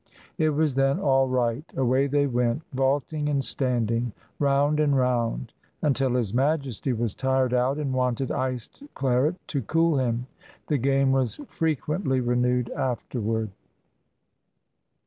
It was then all right. Away they went, vaulting and standing, roimd and round, until His Majesty was tired out and wanted iced claret to cool him. The game was frequently renewed afterward.